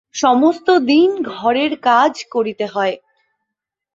সমস্তদিন ঘরের কাজ করিতে হয়।